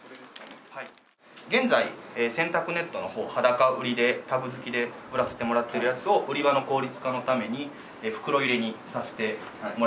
現在洗濯ネットの方裸売りでタグ付きで売らせてもらってるやつを売り場の効率化のために袋入れにさせてもらいました。